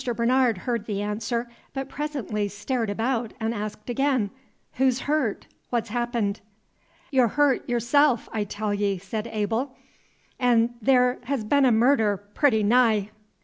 Bernard heard the answer, but presently stared about and asked again, "Who's hurt? What's happened?" "Y' 'r' hurt, y'rself, I tell ye," said Abel; "'n' the' 's been a murder, pooty nigh."